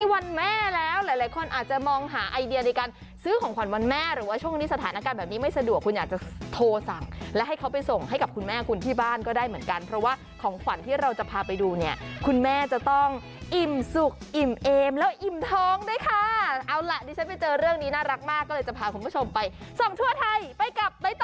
วันแม่แล้วหลายคนอาจจะมองหาไอเดียในการซื้อของขวัญวันแม่หรือว่าช่วงนี้สถานการณ์แบบนี้ไม่สะดวกคุณอยากจะโทรสั่งและให้เขาไปส่งให้กับคุณแม่คุณที่บ้านก็ได้เหมือนกันเพราะว่าของขวัญที่เราจะพาไปดูเนี่ยคุณแม่จะต้องอิ่มสุขอิ่มเอมแล้วอิ่มท้องด้วยค่ะเอาล่ะดิฉันไปเจอเรื่องนี้น่ารักมากก็เลยจะพาคุณผู้ชมไปส่องทั่วไทยไปกับ